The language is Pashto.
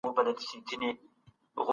ما د پوهنځي خاطرې په کتابچه کي لیکلې وې.